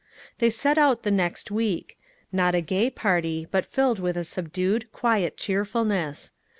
They set out the next week; not a gay party, but filled with a subdued, quiet cheerfulness.